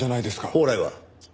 宝来は？